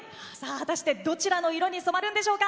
どちらの色に染まるんでしょうか？